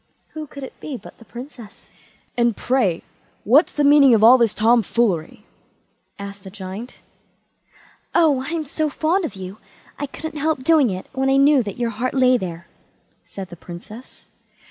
Who could it be but the Princess. "And, pray, what's the meaning of all this tom foolery?" asked the Giant. "Oh, I'm so fond of you, I couldn't help doing it when I knew that your heart lay there", said the Princess.